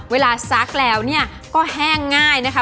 เวลาซักแล้วก็แห้งง่ายนะคะ